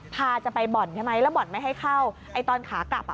พาจะไปบ่อนใช่ไหมแล้วบ่อนไม่ให้เข้าไอ้ตอนขากลับอ่ะ